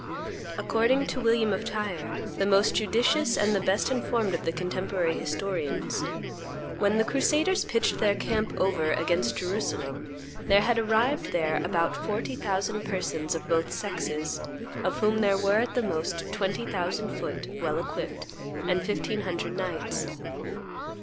According to William of Tyre, the most judicious and the best informed of the contemporary historians, "When the crusaders pitched their camp over against Jerusalem, there had arrived there about forty thousand persons of both sexes, of whom there were at the most twenty thousand foot, well equipped, and fifteen hundred knights."